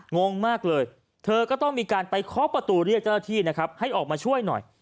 งงมากเลยเธอก็ต้องมีการไปเคาะประตูเรียกเจ้าหน้าที่นะครับให้ออกมาช่วยหน่อย